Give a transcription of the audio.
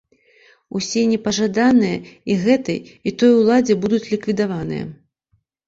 Усе непажаданыя і гэтай, і той уладзе будуць ліквідаваныя.